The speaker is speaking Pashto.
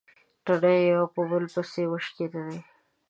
تڼۍ يوه په بلې پسې وشکېدې.